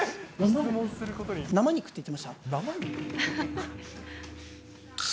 生肉って言ってました？